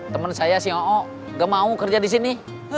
teman saya si oo enggak mau kerja di sini